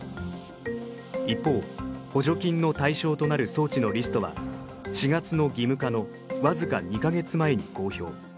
一方補助金の対象となる装置のリストは４月の義務化のわずか２カ月前に公表。